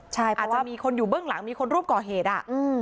อาจจะมีคนอยู่เบื้องหลังมีคนร่วมก่อเหตุอ่ะอืม